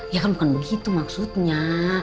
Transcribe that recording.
ya kan bukan begitu maksudnya